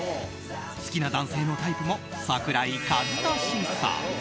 好きな男性のタイプも桜井和寿さん。